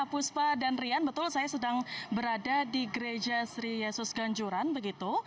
puspa dan rian betul saya sedang berada di gereja sri yesus ganjuran begitu